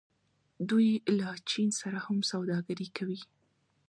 دوی له چین سره هم سوداګري کوي.